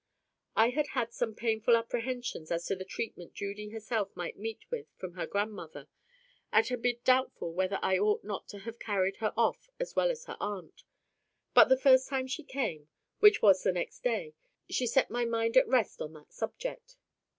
I had had some painful apprehensions as to the treatment Judy herself might meet with from her grandmother, and had been doubtful whether I ought not to have carried her off as well as her aunt; but the first time she came, which was the next day, she set my mind at rest on that subject.